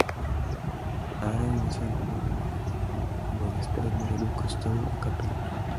Zároveň ve svém obvodu nechal obnovit nebo vystavět řadu kostelů a kaplí.